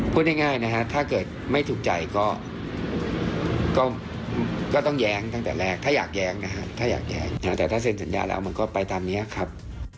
พูดง่ายนะฮะถ้าเกิดไม่ถูกใจก็ต้องแย้งตั้งแต่แรกถ้าอยากแย้งนะฮะถ้าอยากแย้งแต่ถ้าเซ็นสัญญาแล้วมันก็ไปตามนี้ครับ